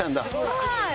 はい。